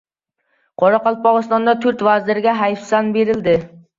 Qoraqalpog‘istonda to‘rt vazirga hayfsan berildi